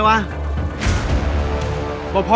หาดู